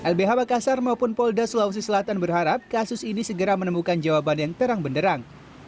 lbh makassar maupun polda sulawesi selatan berharap kasus ini segera menemukan jawaban yang terang benderang